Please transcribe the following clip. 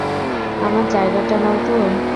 আমার জায়গাটা নাও তো।